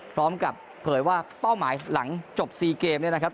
พร้อมกับเผยว่าเป้าหมายหลังจบ๔เกมเนี่ยนะครับ